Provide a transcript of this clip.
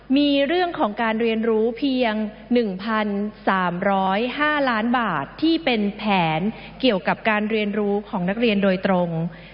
มีเรื่องของการเรียนรู้เพียง๑๓๐๕ล้านบาทที่เป็นแผนเกี่ยวกับการเรียนรู้ของนักเรียนโดยตรง